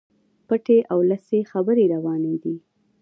پټي او لڅي خبري رواني دي.